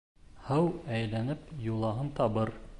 Һыу әйләнеп юлағын табыр